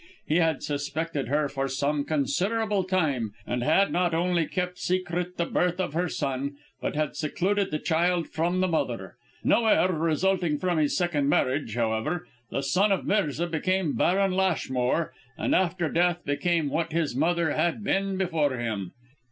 He had suspected her for some considerable time, and had not only kept secret the birth of her son but had secluded the child from the mother. No heir resulting from his second marriage, however, the son of Mirza became Baron Lashmore, and after death became what his mother had been before him.